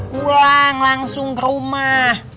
kulang langsung ke rumah